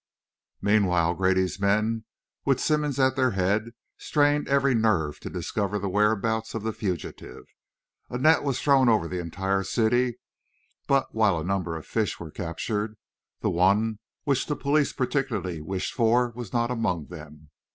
_ Meanwhile, Grady's men, with Simmonds at their head, strained every nerve to discover the whereabouts of the fugitive; a net was thrown over the entire city, but, while a number of fish were captured, the one which the police particularly wished for was not among them.